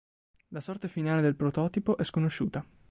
La sorte finale del prototipo è sconosciuta.